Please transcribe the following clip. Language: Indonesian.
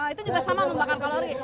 itu juga sama membakar kalori